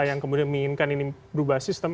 yang kemudian menginginkan ini berubah sistem